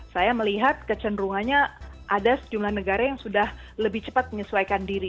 saya melihat kecenderungannya ada sejumlah negara yang sudah lebih cepat menyesuaikan diri